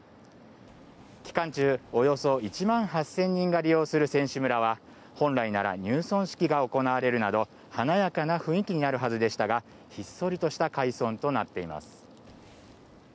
期間中、およそ１万８０００人が利用する選手村は本来なら入村式が行われるなど華やかな雰囲気になるはずでしたがひっそりとした開村となっています。